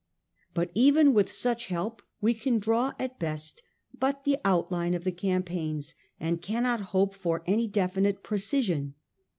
But even with such help we can draw at best but the outline of the .,, r 1 /• Ine course campaigns, and cannot hope for any definite of the precision.